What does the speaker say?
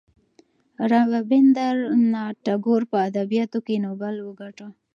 رابیندرانات ټاګور په ادبیاتو کې نوبل وګاټه.